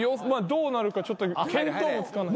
どうなるかちょっと見当もつかない。